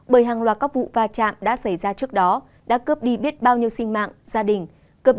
bởi hàng loạt các vụ va chạm đã xảy ra trước đó đã cướp đi biết bao nhiêu sinh mạng gia đình